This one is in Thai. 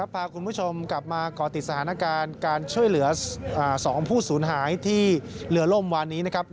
พาคุณผู้ชมกลับมาก่อติดสถานการณ์การช่วยเหลือ๒ผู้สูญหายที่เรือล่มวานนี้นะครับ